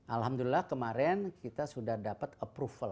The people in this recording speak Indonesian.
alhamdulillah kemarin kita sudah dapat approval